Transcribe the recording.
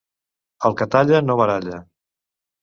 El que talla, no baralla.